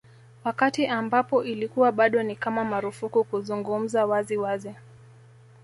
Wakati ambapo ilikuwa bado ni kama marufuku kuzungumza wazi wazi